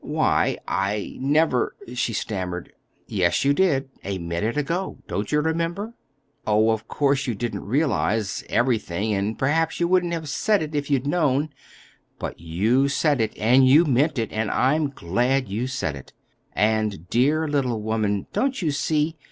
"Why, I never—" she stammered. "Yes, you did, a minute ago. Don't you remember? Oh, of course you didn't realize—everything, and perhaps you wouldn't have said it if you'd known. But you said it—and you meant it, and I'm glad you said it. And, dear little woman, don't you see?